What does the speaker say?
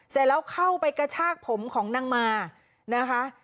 เสร็จแล้วเข้าไปกระชากผมของนางมานะคะ